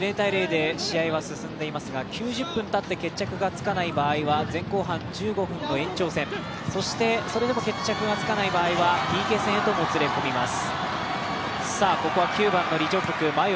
９０分たって決着がつかない場合は前後半１５分の延長戦、そしてそれでも決着がつかない場合はＰＫ戦へともつれ込みます。